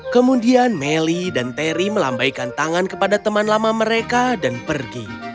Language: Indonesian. kemudian melly dan terry melambaikan tangan kepada teman lama mereka dan pergi